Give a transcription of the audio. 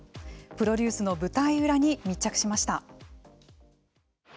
プロデュースの舞台裏に密着しました。